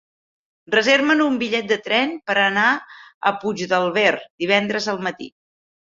Reserva'm un bitllet de tren per anar a Puigdàlber divendres al matí.